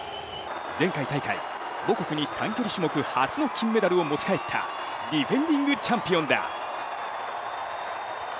前回大会、母国に短距離種目初の金メダルを持ち帰ったディフェンディングチャンピオンだ。